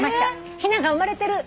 「ひなが生まれてる。